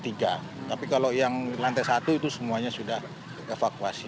tapi kalau yang lantai satu itu semuanya sudah evakuasi